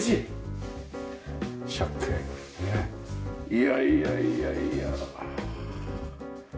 いやいやいやいや。